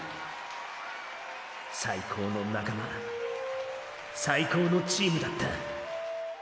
最高の仲間最高のチームだった。